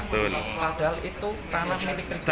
padahal itu tanah milik kerja